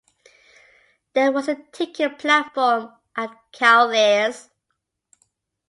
There was a ticket platform at Cowlairs.